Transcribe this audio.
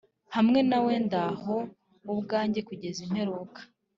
hamwe nawe ndabona ubwanjye kugeza imperuka.